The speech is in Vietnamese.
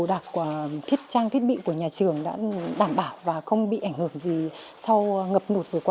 cô đặc trang thiết bị của nhà trường đã đảm bảo và không bị ảnh hưởng gì sau ngập nụt vừa qua